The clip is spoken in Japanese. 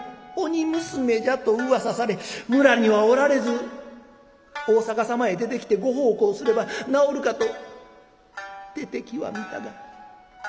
鬼娘じゃと噂され村にはおられず大坂様へ出てきてご奉公すれば治るかと出てきはみたが。